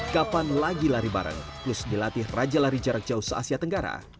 kapan lagi lari bareng plus dilatih raja lari jarak jauh se asia tenggara